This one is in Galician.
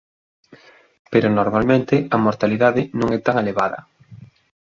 Pero normalmente a mortalidade non é tan elevada.